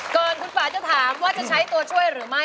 ก่อนคุณป่าจะถามว่าจะใช้ตัวช่วยหรือไม่